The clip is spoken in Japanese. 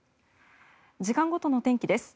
時間ごとの天気です。